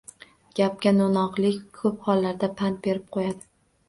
Gapga no‘noqlik ko‘p hollarda pand berib qo‘yadi.